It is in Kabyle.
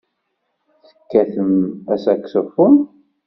Tekkatem asaksufun?